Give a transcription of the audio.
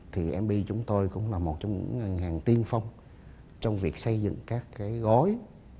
thì mb chúng tôi cũng là một trong những ngân hàng tiên phong trong việc xây dựng các cái gói